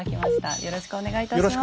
よろしくお願いします